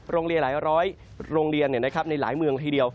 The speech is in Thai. หลายร้อยโรงเรียนในหลายเมืองทีเดียว